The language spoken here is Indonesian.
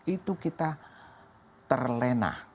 itu kita terlenah